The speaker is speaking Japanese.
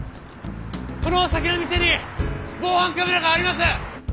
この先の店に防犯カメラがあります！